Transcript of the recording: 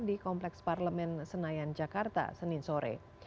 di kompleks parlemen senayan jakarta senin sore